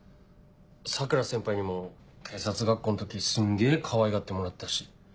桜先輩にも警察学校の時すんげぇかわいがってもらったし。